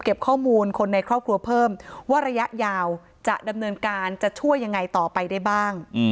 ข้อมูลคนในครอบครัวเพิ่มว่าระยะยาวจะดำเนินการจะช่วยยังไงต่อไปได้บ้าง